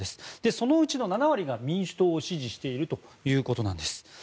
そのうちの７割が民主党を支持しているということです。